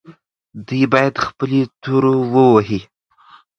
دوی باید خپلې تورو ووهي.